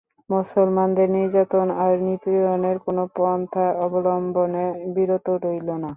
মুসলমানদের নির্যাতন আর নিপীড়নের কোন পন্থা অবলম্বনে বিরত রইল না।